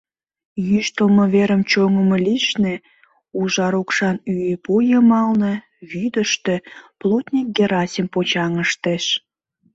Йӱштылмӧ верым чоҥымо лишне, ужар укшан ӱепу йымалне, вӱдыштӧ плотник Герасим почаҥыштеш.